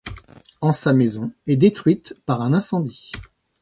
En sa maison est détruite par un incendie.